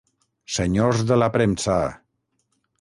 Senyors de la premsa!